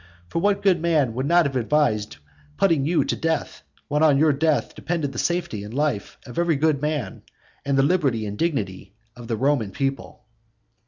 For what good man would not have advised putting you to death, when on your death depended the safety and life of every good man, and the liberty and dignity of the Roman people?